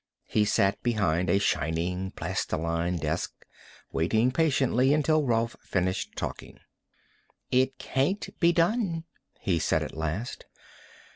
He sat behind a shining plastiline desk, waiting patiently until Rolf finished talking. "It can't be done," he said at last.